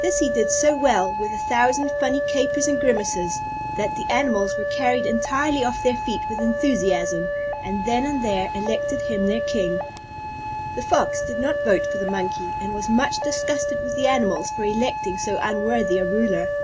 This he did so well, with a thousand funny capers and grimaces, that the Animals were carried entirely off their feet with enthusiasm, and then and there, elected him their king. The Fox did not vote for the Monkey and was much disgusted with the Animals for electing so unworthy a ruler.